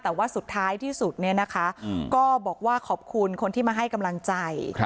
แต่ว่าสุดท้ายที่สุดเนี่ยนะคะก็บอกว่าขอบคุณคนที่มาให้กำลังใจ